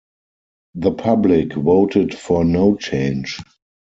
The public voted for no change.